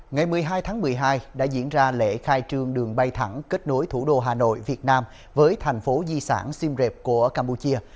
ngày một mươi hai tháng một mươi hai đã diễn ra lễ khai trương đường bay thẳng kết nối thủ đô hà nội việt nam với thành phố di sản simreap của campuchia